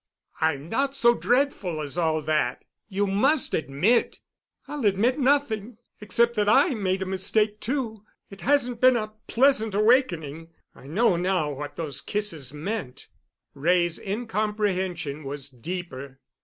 "I'm not so dreadful as all that. You must admit——" "I'll admit nothing—except that I made a mistake, too. It hasn't been a pleasant awakening. I know now what those kisses meant." Wray's incomprehension was deeper.